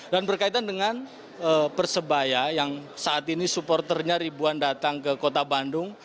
dan berkaitan dengan persebaya yang saat ini supporternya ribuan datang ke kota bandung